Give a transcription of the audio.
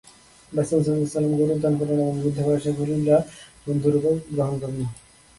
রাসূল হওয়ার গৌরব দান করেন এবং বৃদ্ধ বয়সে খলীল বা বন্ধুরূপে গ্রহণ করেন।